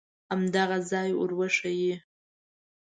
همدغه ځای ورښیې.